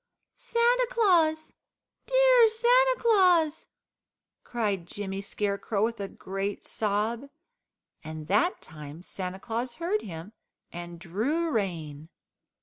"Santa Claus! dear Santa Claus!" cried Jimmy Scarecrow with a great sob, and that time Santa Claus heard him and drew rein.